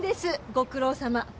ご苦労さま。